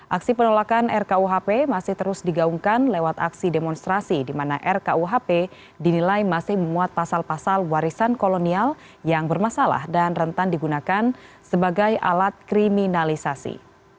aksi penolakan rkuhp masih terus digaungkan lewat aksi demonstrasi di mana rkuhp dinilai masih memuat pasal pasal warisan kolonial yang bermasalah dan rentan digunakan sebagai alat kriminalisasi